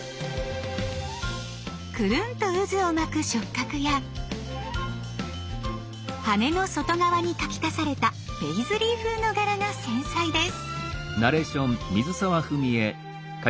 クルンとうずを巻く触角や羽の外側に描き足されたペイズリー風の柄が繊細です。